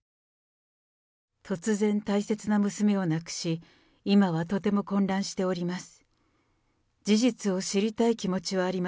突然、大切な娘を亡くし、今はとても混乱しております。